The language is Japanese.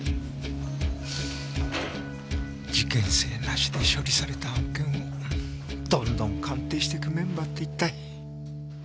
事件性なしで処理された案件をどんどん鑑定してくメンバーって一体。